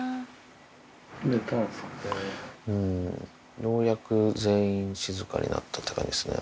うんようやく全員静かになったって感じですね。